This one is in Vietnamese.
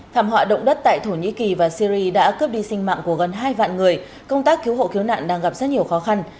thảm họa động đất tại thổ nhĩ kỳ và syri đã cướp đi sinh mạng của gần hai vạn người công tác cứu hộ cứu nạn đang gặp rất nhiều khó khăn